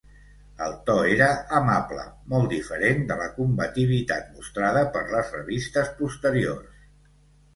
El to era amable, molt diferent de la combativitat mostrada per les revistes posteriors.